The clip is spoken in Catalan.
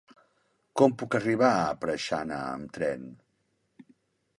Com puc arribar a Preixana amb tren?